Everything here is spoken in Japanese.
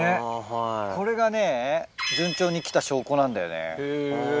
これがね順調に来た証拠なんだよね。